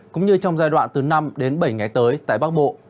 cũng như trong giai đoạn từ năm đến bảy ngày tới tại bắc bộ